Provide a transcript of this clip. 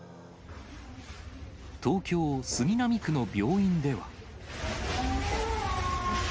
東京・杉並区の病院では。